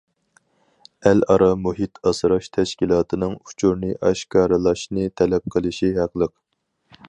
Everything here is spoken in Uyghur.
ئەل ئارا مۇھىت ئاسراش تەشكىلاتىنىڭ ئۇچۇرنى ئاشكارىلاشنى تەلەپ قىلىشى ھەقلىق.